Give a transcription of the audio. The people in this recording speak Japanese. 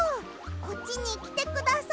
こっちにきてください。